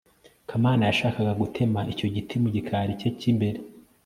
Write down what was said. kamana yashakaga gutema icyo giti mu gikari cye cy'imbere